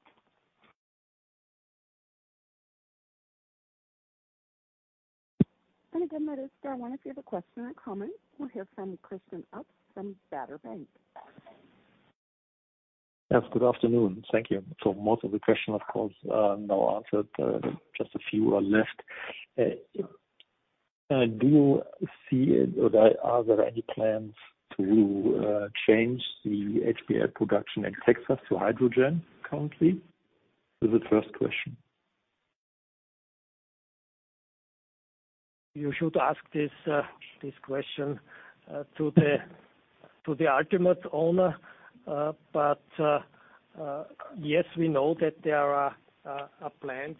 C: Again, my name is Darwin, if you have a question or comment. We'll hear from Christian Obst from Baader Bank.
I: Yes. Good afternoon. Thank you. Most of the question, of course, now answered. Just a few are left. Do you see or are there any plans to change the HBI production in Texas to hydrogen currently? This is the first question.
B: You should ask this question to the ultimate owner. Yes, we know that there are plans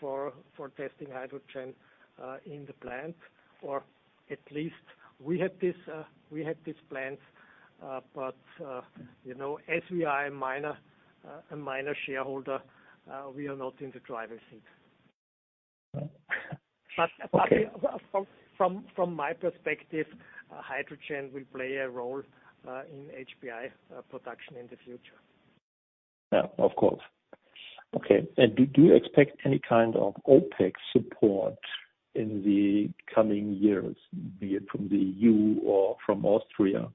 B: for testing hydrogen in the plant, or at least we have these plans. You know, as we are a minor shareholder, we are not in the driver's seat. From my perspective, hydrogen will play a role in HBI production in the future.
I: Yeah, of course. Okay. Do you expect any kind of OpEx support in the coming years, be it from the EU or from Austria?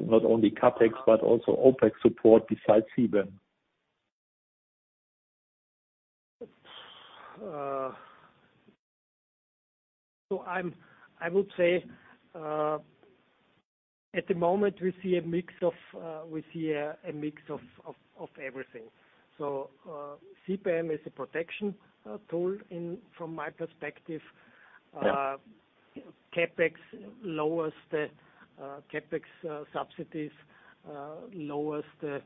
I: Not only CapEx, but also OpEx support besides CBAM.
B: I would say at the moment we see a mix of everything. CBAM is a protection tool in, from my perspective. CapEx lowers the CapEx subsidies lowers the,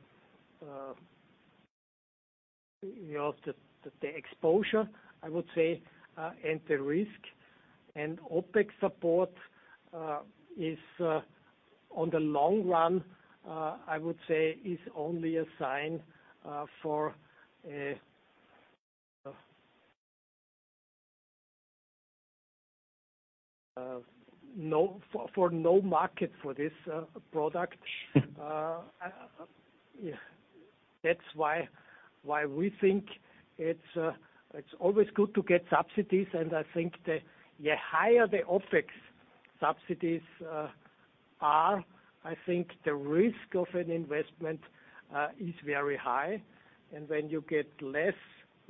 B: you know, the exposure, I would say, and the risk. OpEx support is on the long run, I would say is only a sign for no market for this product. Yeah. That's why we think it's always good to get subsidies, and I think the higher the OpEx subsidies are, I think the risk of an investment is very high. When you get less,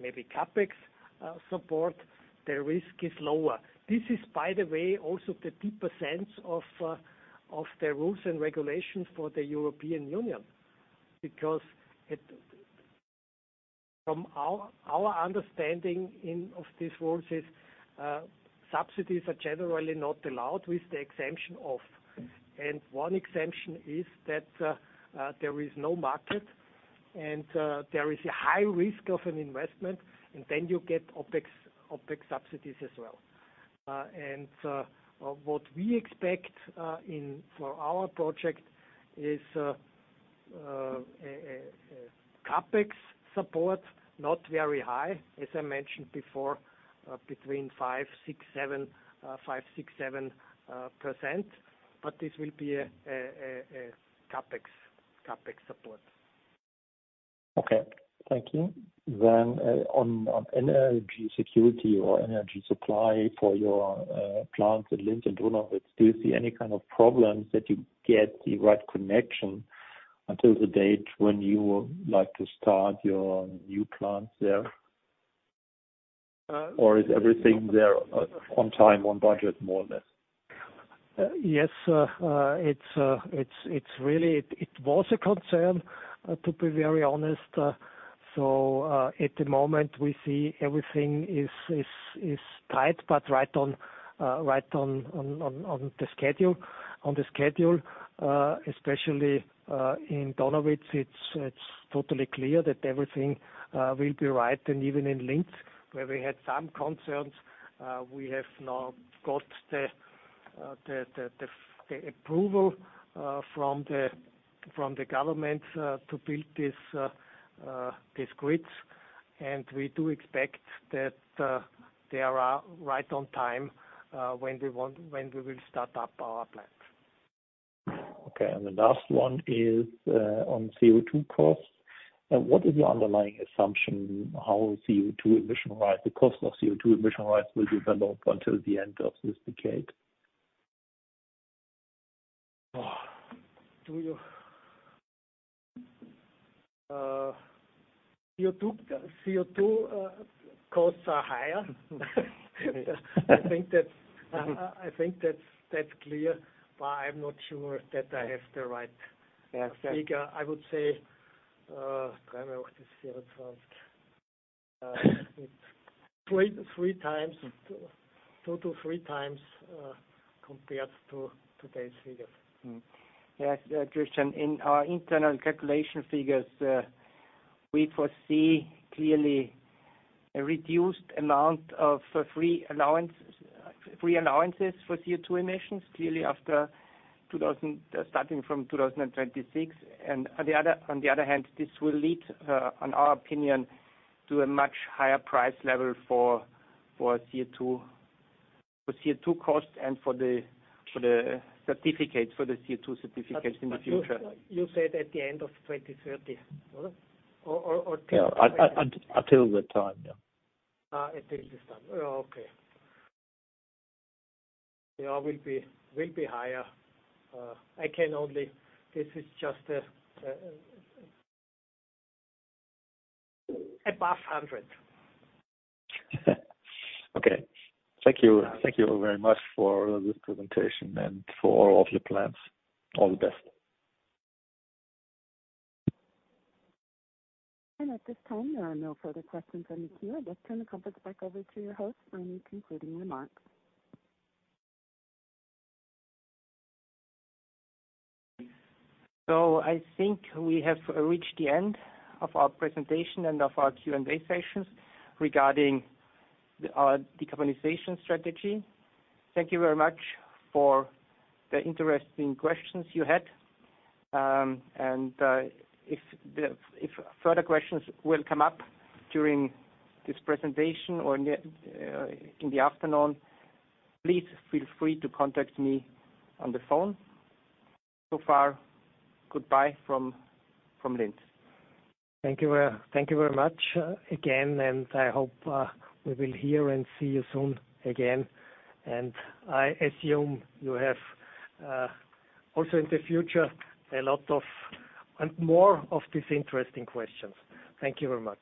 B: maybe CapEx support, the risk is lower. This is, by the way, also the deeper sense of the rules and regulations for the European Union, because it. From our understanding in, of these rules is subsidies are generally not allowed with the exemption of. One exemption is that there is no market and there is a high risk of an investment, and then you get OpEx subsidies as well. What we expect in for our project is a CapEx support, not very high, as I mentioned before, between 5%, 6%, 7%, but this will be a CapEx support.
I: Okay. Thank you. On energy security or energy supply for your plant at Linz and Donawitz, do you see any kind of problems that you get the right connection until the date when you would like to start your new plants there? Or is everything there on time, on budget, more or less?
B: Yes. It was a concern to be very honest. At the moment we see everything is tight, but right on the schedule. Especially in Donawitz, it's totally clear that everything will be right. Even in Linz, where we had some concerns, we have now got the approval from the government to build these grids. We do expect that they are right on time when we will start up our plants.
I: Okay. The last one is on CO2 costs. What is the underlying assumption how CO2 emission rise, the cost of CO2 emission rise will develop until the end of this decade?
B: CO2 costs are higher. I think that's. I think that's clear. I'm not sure that I have the right figure. I would say, It's two, three times. Two, three times, compared to today's figures.
A: Yes. Christian, in our internal calculation figures, we foresee clearly a reduced amount of free allowance, free allowances for CO2 emissions, clearly starting from 2026. On the other hand, this will lead, in our opinion, to a much higher price level for CO2, for CO2 costs and for the certificates, for the CO2 certificates in the future.
B: You said at the end of 2030.
I: Yeah. Until the time, yeah.
B: Until this time. Okay. Will be higher. I can only. This is just above 100.
I: Okay. Thank you. Thank you very much for this presentation and for all of your plans. All the best.
C: At this time, there are no further questions on the queue. I'll just turn the conference back over to your host for any concluding remarks.
A: I think we have reached the end of our presentation and of our Q&A sessions regarding the decarbonization strategy. Thank you very much for the interesting questions you had. If further questions will come up during this presentation or near in the afternoon, please feel free to contact me on the phone. Goodbye from Linz.
B: Thank you very much again. I hope we will hear and see you soon again. I assume you have also in the future, a lot of, and more of these interesting questions. Thank you very much.